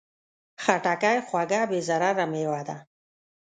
خټکی خوږه، بې ضرره مېوه ده.